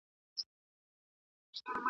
د جهاني له هري اوښکي دي را اوري تصویر `